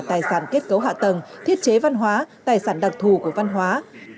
tài sản kết cấu hạ tầng thiết chế văn hóa tài sản đặc thù của văn hóa